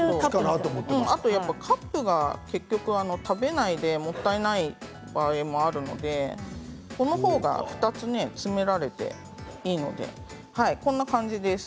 あと、カップは結局、食べない場合もあるのでもったいない場合もあるのでこのほうが２つに詰められていいのでこんな感じです。